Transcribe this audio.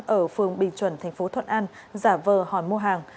ở phường bình chuẩn tp thuận an giả vờ hòn mua hàng